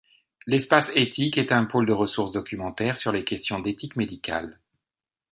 L’Espace éthique est un pôle de ressources documentaires sur les questions d’éthique médicale.